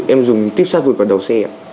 em dùng tiếp sắt vượt vào đầu xe ạ